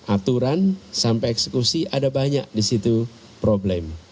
aturan sampai eksekusi ada banyak disitu problem